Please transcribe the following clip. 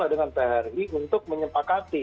dengan pri untuk menyepakati